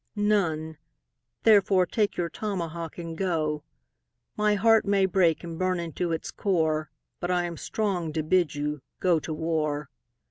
None therefore take your tomahawk and go. My heart may break and burn into its core, But I am strong to bid you go to war.